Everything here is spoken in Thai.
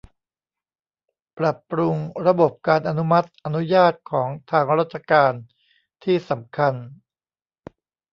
ปรับปรุงระบบการอนุมัติอนุญาตของทางราชการที่สำคัญ